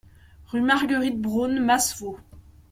Rue Marguerite Braun, Masevaux